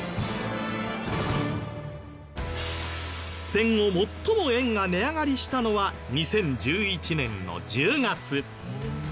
戦後最も円が値上がりしたのは２０１１年の１０月。